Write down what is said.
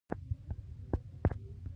د پروان سیلابونه خطرناک دي